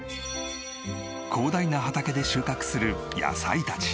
広大な畑で収穫する野菜たち。